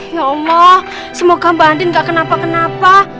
ya allah semoga mbak andin gak kenapa kenapa